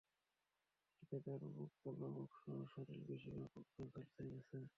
এতে তাঁর মুখ, গলা, বুকসহ শরীরের বেশির ভাগ অংশ ঝলসে গেছে।